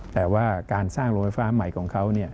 แต่ว่าการสร้างโรงไฟฟ้าใหม่ของเขา